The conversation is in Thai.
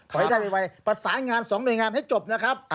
ให้ได้ไวประสานงาน๒หน่วยงานให้จบนะครับ